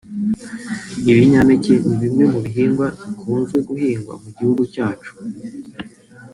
Ibinyampeke ni bimwe mu bihingwa bikunze guhingwa mu gihugu cyacu